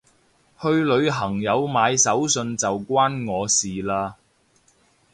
去旅行有買手信就關我事嘞